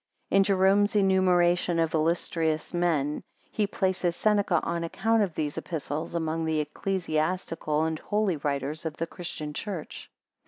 In Jerome's enumeration of illustrious men, he places Seneca, on account of these Epistles, amongst the ecclesiastical and holy writers of the Christian Church.